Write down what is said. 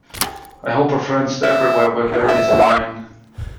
I hope our friends every where will bear this in mind.